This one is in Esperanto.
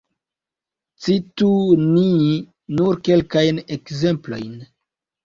Citu ni nur kelkajn ekzemplojn.